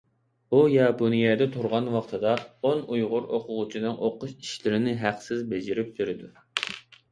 ئۇ ياپونىيەدە تۇرغان ۋاقتىدا ئون ئۇيغۇر ئوقۇغۇچىنىڭ ئوقۇش ئىشلىرىنى ھەقسىز بېجىرىپ بېرىدۇ.